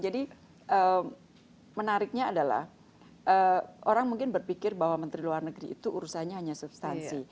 jadi menariknya adalah orang mungkin berpikir bahwa menteri luar negeri itu urusannya hanya substansi